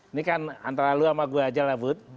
ini kan antara lo sama gue aja lah but